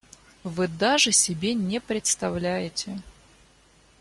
Вы даже себе не представляете.